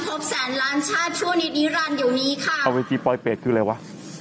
แสนล้านชาติชั่วนิดนิรันดิเดี๋ยวนี้ค่ะเอาเวทีปลอยเป็ดคืออะไรวะ